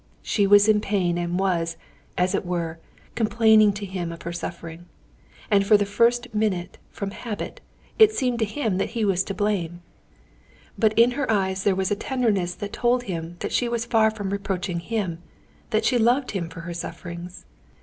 She was in pain and was, as it were, complaining to him of her suffering. And for the first minute, from habit, it seemed to him that he was to blame. But in her eyes there was a tenderness that told him that she was far from reproaching him, that she loved him for her sufferings.